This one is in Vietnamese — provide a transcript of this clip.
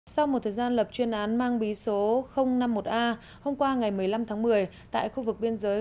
sau một thời gian lập chuyên án mang bí số năm mươi một a hôm qua ngày một mươi năm tháng một mươi tại khu vực biên giới